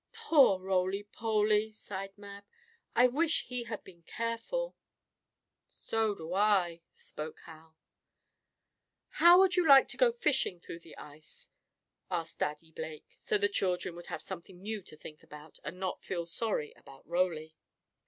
"Poor Roly Poly!" sighed Mab. "I wish he had been careful." "So do I," spoke Hal. "How would you like to go fishing through the ice?" asked Daddy Blake, so the children would have something new to think about, and not feel sorry about Roly.